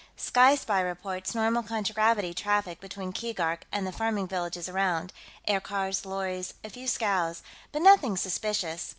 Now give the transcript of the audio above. "Sky Spy reports normal contragravity traffic between Keegark and the farming villages around aircars, lorries, a few scows but nothing suspicious.